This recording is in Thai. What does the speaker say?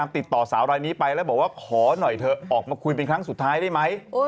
ติดต่อสาวรายนี้ไปแล้วบอกว่าขอหน่อยเถอะออกมาคุยเป็นครั้งสุดท้ายได้ไหม